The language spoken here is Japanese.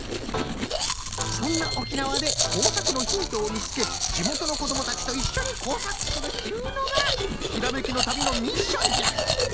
そんな沖縄で工作のヒントをみつけじもとの子どもたちといっしょに工作するっちゅうのがひらめきの旅のミッションじゃ！